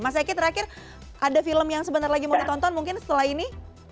mas eki terakhir ada film yang sebentar lagi mau ditonton mungkin setelah ini